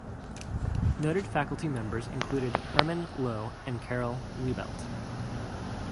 Noted faculty members included Hermann Loew and Karol Libelt.